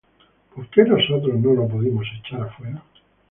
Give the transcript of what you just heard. ¿Por qué nosotros no lo pudimos echar fuera?